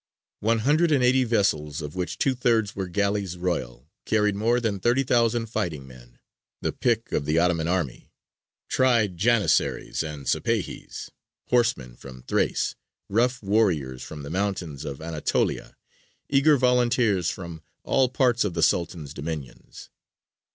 One hundred and eighty vessels, of which two thirds were galleys royal, carried more than thirty thousand fighting men the pick of the Ottoman army, tried Janissaries and Sipāhis, horsemen from Thrace, rough warriors from the mountains of Anatolia, eager volunteers from all parts of the Sultan's dominions.